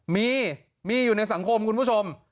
มีมีอยู่ในสังคมคุณผู้ชม